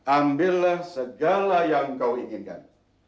ambillah segala yang kau inginkan